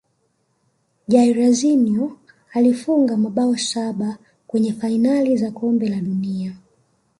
jairzinho alifunga mabao saba kwenye fainali za kombe la dunia